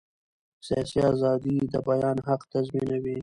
سیاسي ازادي د بیان حق تضمینوي